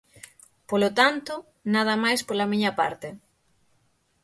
Polo tanto, nada máis pola miña parte.